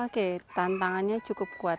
oke tantangannya cukup kuat